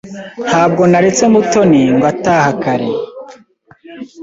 Ntabwo naretse Mutoni ngo ataha kare.